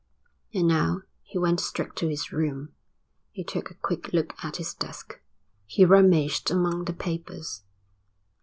And now he went straight to his room. He took a quick look at his desk. He rummaged among the papers.